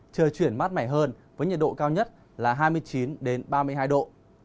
trời chuyển mát mẻ hơn với nhiệt độ cao nhất là hai mươi chín ba mươi hai độ